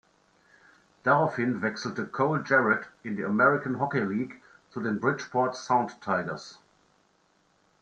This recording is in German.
Daraufhin wechselte Cole Jarrett in die American Hockey League zu den Bridgeport Sound Tigers.